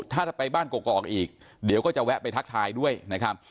ถ้าไปบ้านกอกอีกเดี๋ยวก็จะแวะไปทักทายด้วยนะครับ